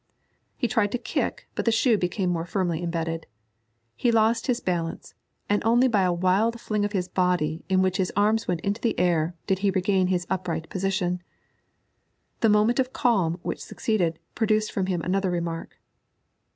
He tried to kick, but the shoe became more firmly embedded. He lost his balance, and only by a wild fling of his body, in which his arms went up into the air, did he regain his upright position. The moment of calm which succeeded produced from him another remark.